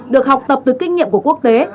được học tập từ kinh nghiệm của quốc tế